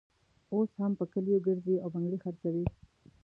اوس هم په کلیو ګرزي او بنګړي خرڅوي.